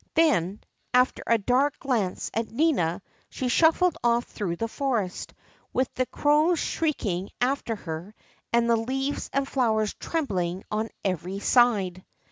Then, after a dark glance at Nina, she shuffled off through the forest, with the crows shrieking after her and the leaves and flowers trembling on every side.